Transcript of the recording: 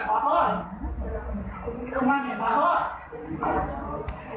ขอโทษอย่าจะไม่ทำอีก